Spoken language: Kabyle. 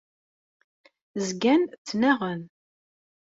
Zgan ttnaɣen.